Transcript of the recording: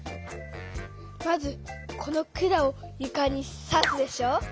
まずこの管をゆかにさすでしょ。